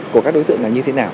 của các đối tượng là như thế nào